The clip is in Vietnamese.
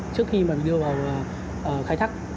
trước khi đưa vào khai thác